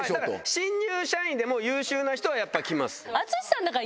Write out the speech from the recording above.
新入社員でも優秀な人はやっぱ来ます。